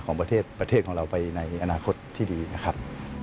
ของประเทศของเราไปในอนาคตที่ดีนะครับ